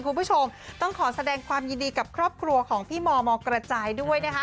คุณผู้ชมต้องขอแสดงความยินดีกับครอบครัวของพี่มมกระจายด้วยนะคะ